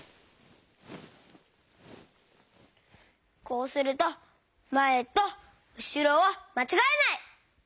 こうするとまえとうしろはまちがえない！